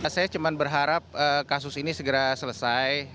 saya cuma berharap kasus ini segera selesai